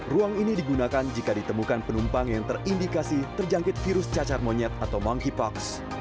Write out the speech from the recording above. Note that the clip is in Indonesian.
ruang ini digunakan jika ditemukan penumpang yang terindikasi terjangkit virus cacar monyet atau monkeypox